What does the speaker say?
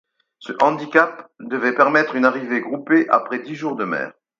Ce handicap devait permettre une arrivée groupée après dix jours de mer.